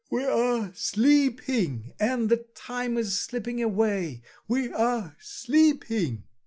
We are sleeping, and the time is slipping away; we are sleeping."....